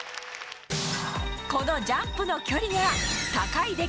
このジャンプの距離が高い